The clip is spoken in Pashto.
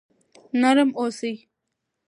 نرم اوسئ.